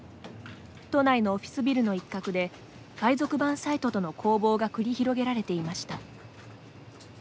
都内のオフィスビルの一角で海賊版サイトとの攻防が繰り広げられていました。